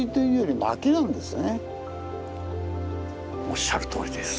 おっしゃるとおりです。